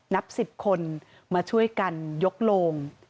นับ๑๐คนมาช่วยกันยกโลง